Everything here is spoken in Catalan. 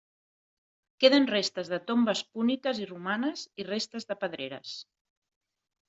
Queden restes de tombes púniques i romanes i restes de pedreres.